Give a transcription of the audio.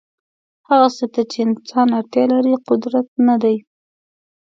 هغه څه ته چې انسان اړتیا لري قدرت نه دی.